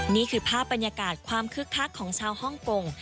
นี่คือภาพบรรยากาศความคึกคักของชาวฮ่องกง